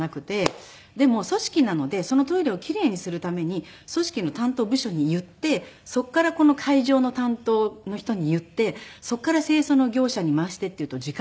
でも組織なのでそのトイレを奇麗にするために組織の担当部署に言ってそこからこの会場の担当の人に言ってそこから清掃の業者に回してっていうと時間がかかっちゃう。